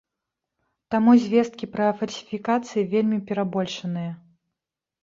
Таму звесткі пра фальсіфікацыі вельмі перабольшаныя.